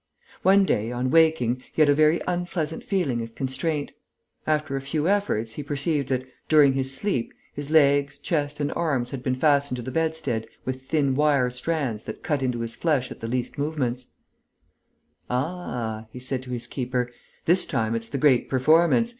One day, on waking, he had a very unpleasant feeling of constraint. After a few efforts, he perceived that, during his sleep, his legs, chest and arms had been fastened to the bedstead with thin wire strands that cut into his flesh at the least movements. "Ah," he said to his keeper, "this time it's the great performance!